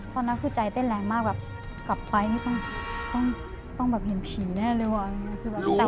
ตอนนั้นคือใจเต้นแรงมากแบบกลับไปนี่ต้องแบบเห็นผีแน่เลยว่ะ